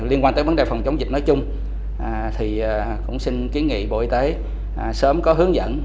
liên quan tới vấn đề phòng chống dịch nói chung thì cũng xin kiến nghị bộ y tế sớm có hướng dẫn